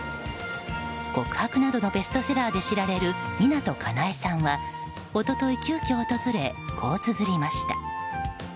「告白」などのベストセラーで知られる湊かなえさんは一昨日、急きょ訪れこうつづりました。